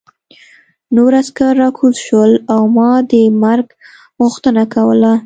نور عسکر راکوز شول او ما د مرګ غوښتنه کوله